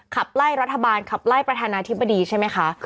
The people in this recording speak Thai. ขับไล่รัฐบาลขับไล่ประธานาธิบดีใช่ไหมคะ